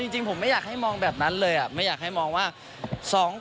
ซึ่งเจ้าตัวก็ยอมรับว่าเออก็คงจะเลี่ยงไม่ได้หรอกที่จะถูกมองว่าจับปลาสองมือ